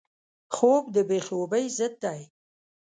خوب د بې خوبۍ ضد دی